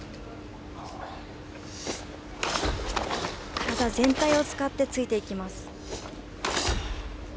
体全体を使って突いていきます。